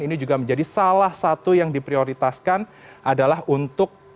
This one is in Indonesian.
ini juga menjadi salah satu yang diprioritaskan adalah untuk